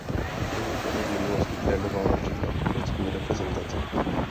Kromě toho v minulosti trénoval například tureckou reprezentaci.